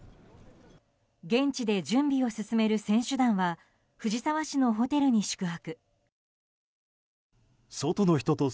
現地で準備を進める選手団は藤沢市のホテルに宿泊。